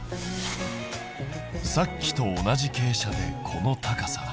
さっきと同じ傾斜でこの高さだ。